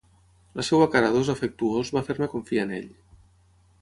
La seua cara d'ós afectuós va fer-me confiar en ell.